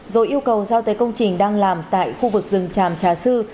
rồi yêu cầu giao tới công trình đang làm tại khu vực rừng tràm trà sư